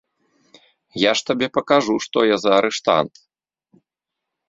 Я ж табе пакажу, што я за арыштант!